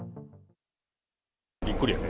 びっくりやね。